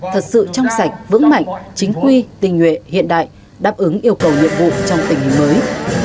thật sự trong sạch vững mạnh chính quy tình nguyện hiện đại đáp ứng yêu cầu nhiệm vụ trong tình hình mới